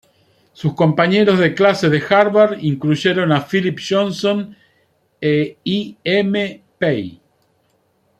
Sus compañeros de clase de Harvard incluyeron a Philip Johnson y I. M. Pei.